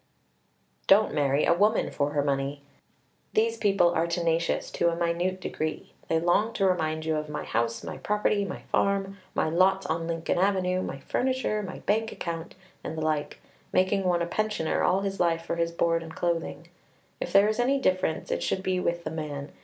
Don't marry a woman for her money. These people are tenacious to a minute degree. They long to remind you of my house, my property, my farm, my lots on Lincoln Avenue, my furniture, my bank account, and the like making one a pensioner all his life for his board and clothing. If there is any difference, it should be with the man.